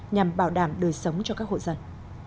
nhằm bảo đảm đời sống cho các hộ dân